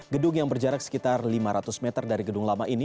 gedung yang berjarak sekitar lima ratus meter dari gedung lama ini